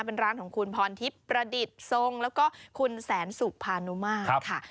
เป็นร้านของคุณพรทิพย์ประดิษฐ์ทรงแล้วก็คุณแสนสุภานุมาตรค่ะ